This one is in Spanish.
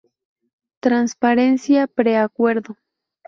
Transparencia Pre-Acuerdo.